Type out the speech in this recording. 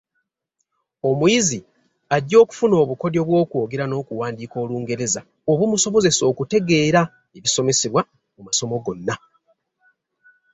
Omuyizi ajja okufuna obukodyo bw’okwogera n’okuwandiika olungereza obumusobozesa okutegeera ebisomesebwa mu masomo gonna.